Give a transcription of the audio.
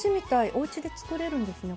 おうちで作れるんですね。